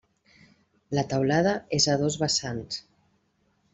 La teulada és a dos vessants.